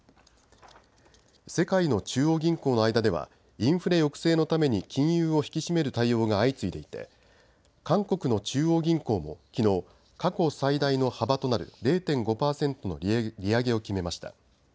世界の中央銀行の間ではインフレ抑制のために金融を引き締める対応が相次いでいて韓国の中央銀行もきのう過去最大の幅となる０．５％の利上げを決めました。